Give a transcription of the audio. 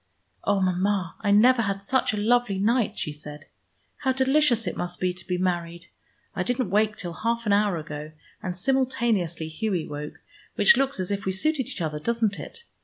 "Oh, Mama, I never had such a lovely night," she said. "How delicious it must be to be married! I didn't wake till half an hour ago, and simultaneously Hughie woke, which looks as if we suited each other, doesn't it?